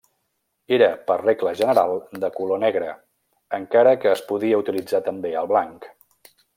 Era per regla general de color negre encara que es podia utilitzar també el blanc.